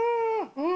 うん？